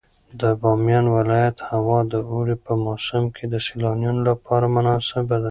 د بامیان ولایت هوا د اوړي په موسم کې د سیلانیانو لپاره مناسبه ده.